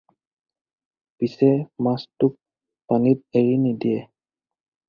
পিছে মাছটোক পানীত এৰি নিদিয়ে।